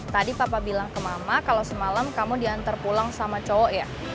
tadi papa bilang ke mama kalau semalam kamu diantar pulang sama cowok ya